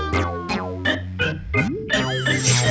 เป็นกุคทิตย์